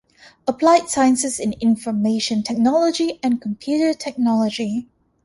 Applied Sciences in Information Technology and Computer Technology.